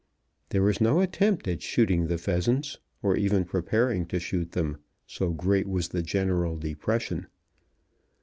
There was no attempt at shooting the pheasants, or even preparing to shoot them, so great was the general depression.